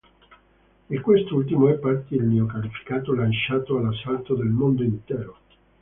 Di quest’ultimo è parte il neo-califfato, lanciato all’assalto del mondo intero.